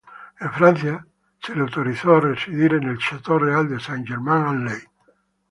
En Francia se le autorizó a residir en el château real de Saint-Germain-en-Laye.